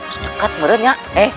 sedekat beneran ya